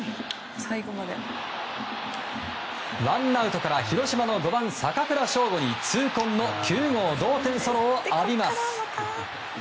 ワンアウトから広島の５番、坂倉将吾に痛恨の９号同点ソロを浴びます。